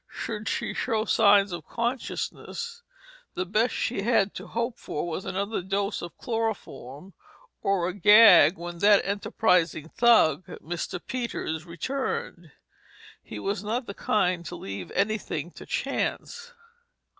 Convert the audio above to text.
Should she show signs of consciousness, the best she had to hope for was another dose of chloroform or a gag when that enterprising thug, Mr. Peters, returned. He was not the kind to leave anything to chance.